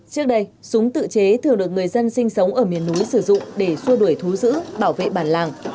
trước đây súng tự chế thường được người dân sinh sống ở miền núi sử dụng để xua đuổi thú giữ bảo vệ bản làng